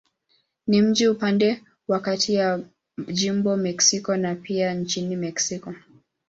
Ni mji upande wa kati ya jimbo Mexico na pia nchi Mexiko.